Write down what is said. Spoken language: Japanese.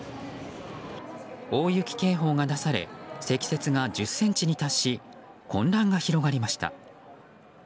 大雪警報が出され積雪が１０ｃｍに達し混乱が広がりました。